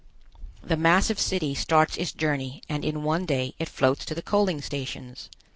The massive city starts its journey and in one day it floats to the coaling stations.